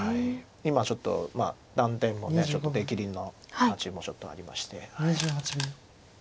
今ちょっと断点も出切りの味もちょっとありまして。